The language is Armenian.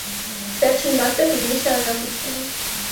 Վերջին մարտը ֆիլմի շարունակությունը։